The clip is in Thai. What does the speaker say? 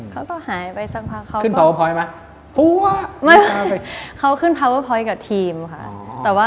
เขาก็หายไปสักพักเขาขึ้นพัวเวอร์พอยต์กับทีมค่ะ